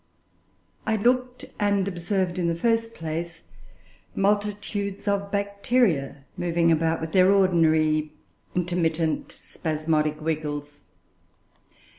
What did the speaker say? I looked and observed, in the first place, multitudes of Bacteria moving about with their ordinary intermittent spasmodic wriggles.